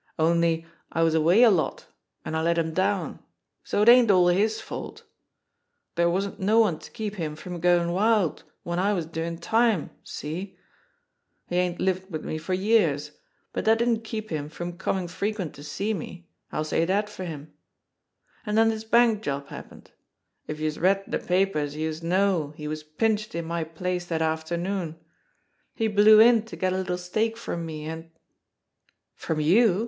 Only I was away a lot, an' I let him down, so it ain't all his fault. Dere wasn't no one to keep him from goin' wild w'en I was doin' time see? He ain't lived wid me for years, but dat didn't keep him from comin' frequent to see me, I'll say dat for him. An' den dis bank job happened. If youse read de papers youse know he was pinched in my place dat after noon. He blew in to get a little stake from me, an' " "From you